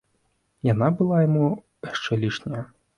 Яна была яму яшчэ лішняя.